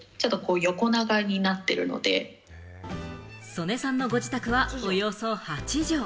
曽根さんのご自宅はおよそ８帖。